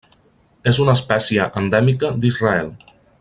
És una espècie endèmica d'Israel.